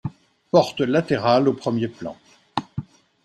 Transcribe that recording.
Portes latérales au premier plan.